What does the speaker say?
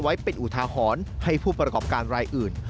ไว้เป็นอุทาหรณ์ให้ผู้ประกอบการรายอื่น